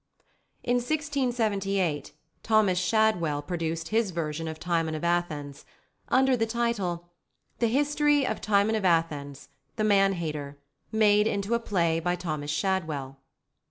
In 1678, Thomas Shadwell produced his version of Timon of Athens, under the title "The History of Timon of Athens, the Man Hater, made into a play by Thomas Shadwell."